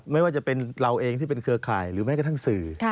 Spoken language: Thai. ไม่ว่าจะเป็นเราเองที่เป็นเครือข่ายหรือแม้กระทั่งสื่อ